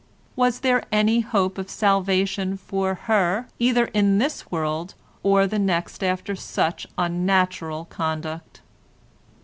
Was there any hope of salvation for her either in this world or the next after such unnatural conduct?